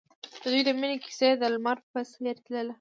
د دوی د مینې کیسه د لمر په څېر تلله.